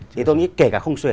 thì tôi nghĩ kể cả không xuể